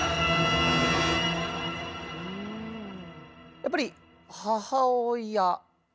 やっぱり母親。